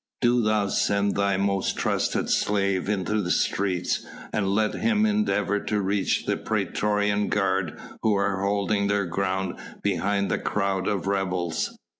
Do thou send thy most trusted slave into the streets, and let him endeavour to reach the praetorian guard who are holding their ground behind the crowd of rebels.